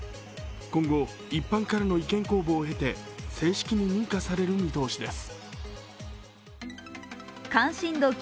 今後、一般からの意見公募をへて正式に認可される見通しです。